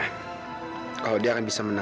halo kak dara